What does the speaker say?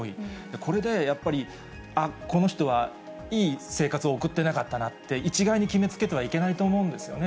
これでやっぱり、ああ、この人はいい生活を送ってなかったなって、一概に決めつけてはいけないと思うんですよね。